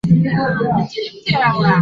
此站站名背景是附近的民族大街。